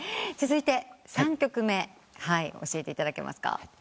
続いて３曲目教えていただけますか？